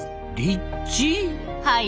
はい。